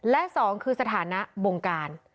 และสองคือสถานะบงการ